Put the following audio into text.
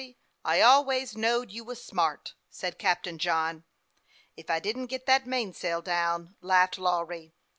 Well, Lawry, I always knowed you was smart," said Captain John. " If I didn't get that mainsail down," laughed Lawry.